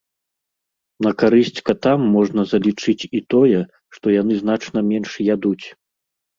На карысць катам можна залічыць і тое, што яны значна менш ядуць.